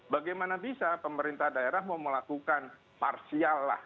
bagaimana bisa pemerintah daerah mau melakukan parsial lah